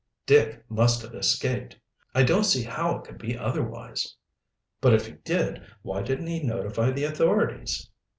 "Dick must have escaped. I don't see how it could be otherwise." "But if he did, why didn't he notify the authorities?"